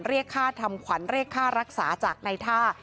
เรียกค่าทำขวัญเรียกค่ารักษาจากในท่า